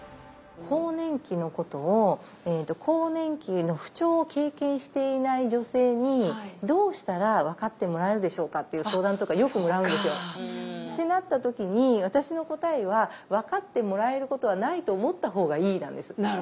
更年期のことを更年期の不調を経験していない女性にどうしたら分かってもらえるでしょうかっていう相談とかよくもらうんですよ。ってなった時に私の答えは「分かってもらえることはないと思った方がいい」なんです。